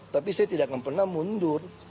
tapi saya tidak akan pernah mundur